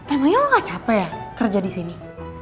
emangnya lo gak capek ya kerja disini